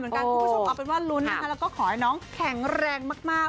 คุณผู้ชมเอาเป็นว่าลุ้นนะคะแล้วก็ขอให้น้องแข็งแรงมาก